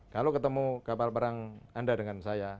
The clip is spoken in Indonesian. kalau ketemu kapal perang anda dengan saya